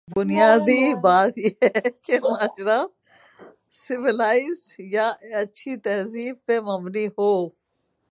بنیادی بات یہ ہے کہ معاشرہ سولائزڈ یا ایک اچھی تہذیب پہ مبنی ہو۔